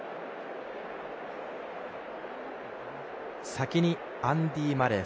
先にアンディ・マレー。